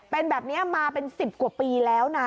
เป็นแบบนี้มาเป็น๑๐กว่าปีแล้วนะ